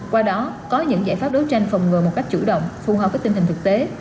qua đó có những giải pháp đấu tranh phòng ngừa một cách chủ động phù hợp với tình hình thực tế